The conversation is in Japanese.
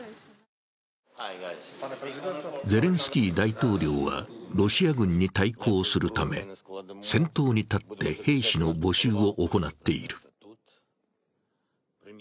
ゼレンスキー大統領はロシア軍に対抗するため先頭に立って兵士の募集を行っている。